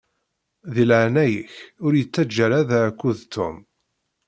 Di leɛnaya-k ur yi-ttaǧǧa ara da akked Tom.